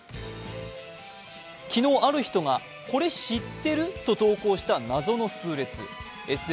昨日、ある人がこれ知ってる？と投稿した謎の数列。